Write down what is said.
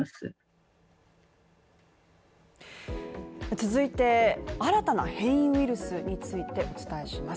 続いて、新たな変異ウイルスについてお伝えします。